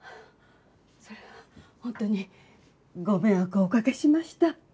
それは本当にご迷惑をおかけしました。